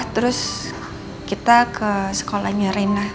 terus kita ke sekolahnya reina